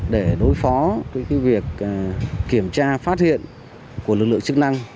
để đối phó với việc kiểm tra phát hiện của lực lượng chức năng